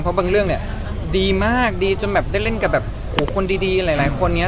เพราะบางเรื่องเนี่ยดีมากดีจนแบบได้เล่นกับแบบคนดีหลายคนอย่างนี้